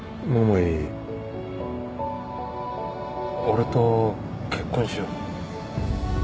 俺と結婚しよう。